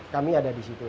kami ada di situ